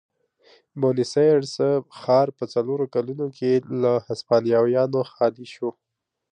بونیس ایرس ښار په څلورو کلونو کې له هسپانویانو خالي شو.